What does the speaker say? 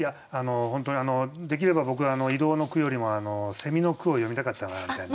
本当にできれば僕は移動の句よりもの句を詠みたかったなみたいな。